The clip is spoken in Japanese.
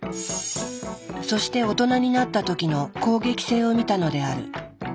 そして大人になった時の攻撃性を見たのである。